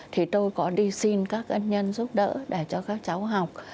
thì tôi có đi xin các ân nhân giúp đỡ để cho các cháu học